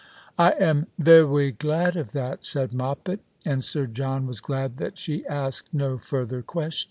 " I am veway glad of that," said Moppet ; and Sir John was glad that she asked no further questions.